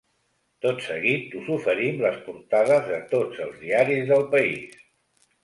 Tot seguit, us oferim les portades de tots els diaris del país.